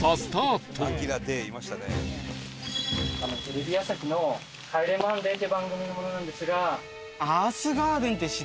テレビ朝日の『帰れマンデー』という番組の者なんですが。